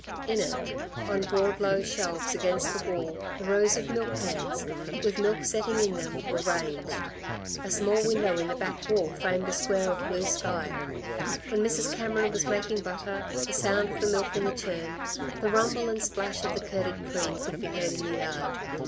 In it, on broad low shelves against the wall, the rows of milk pans, with milk setting in them, were ranged; a small window in the back wall framed a square of blue sky. When Mrs. Cameron was making butter, the sound of the milk in the churn, the rumble and splash of the curded cream, could be heard in the yard.